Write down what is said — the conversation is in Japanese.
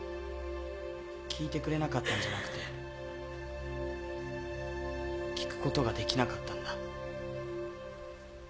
聞いてくれなかったんじゃなくて聞くことができなかったんだ。